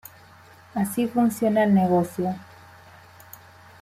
Así funciona el negocio.